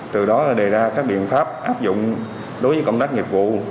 từ đó đề ra các biện pháp áp dụng đối với công tác nghiệp vụ